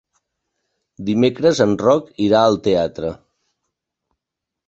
Dimecres en Roc irà al teatre.